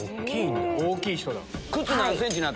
大きい人だ。